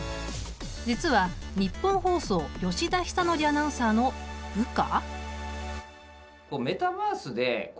実はニッポン放送吉田尚記アナウンサーの部下？